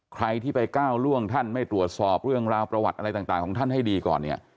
ใครที่ไปก้าวล่วงท่านไม่ตรวจสอบเรื่องราวประวัติอะไรต่างของท่านให้ดีก่อนเนี่ย